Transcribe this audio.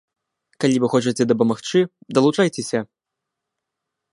Калі вы хочаце дапамагчы, далучайцеся.